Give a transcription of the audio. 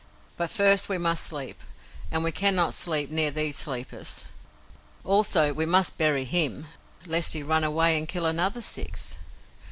But first we must sleep, and we cannot sleep near these sleepers. Also we must bury HIM, lest he run away and kill another six.